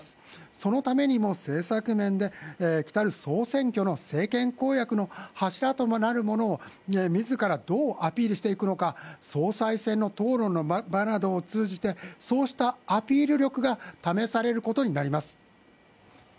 そのためにも政策面で、来る総選挙の政権公約の柱ともなるものを自らどうアピールしていくのか総裁選の討論の場などを通じてアピール力が試されることになります。